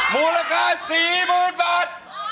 มูลค่า๔๐๐๐บาท